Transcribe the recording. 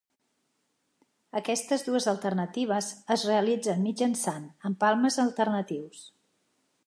Aquestes dues alternatives es realitzen mitjançant empalmes alternatius.